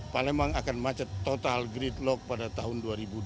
palembang akan macet total gridlock pada tahun dua ribu dua puluh